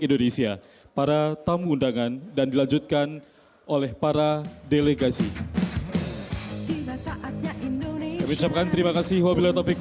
indonesia para tamu undangan dan dilanjutkan oleh para delegasi terima kasih wabillahi taufiq